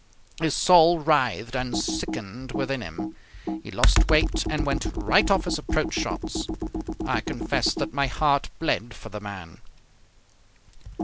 His soul writhed and sickened within him. He lost weight and went right off his approach shots. I confess that my heart bled for the man.